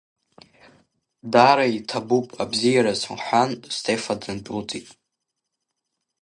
Даара иҭабуп, абзиараз, — лҳәан Стефа дындәылҵит.